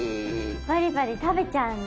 バリバリ食べちゃうんだ。